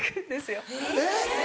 えっ？